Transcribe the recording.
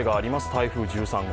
台風１３号。